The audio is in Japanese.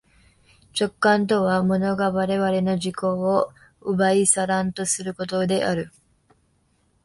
直観とは物が我々の自己を奪い去らんとすることである。